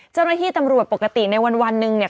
เจ้าหน้าที่ตำรวจปกติในวันหนึ่งเนี่ย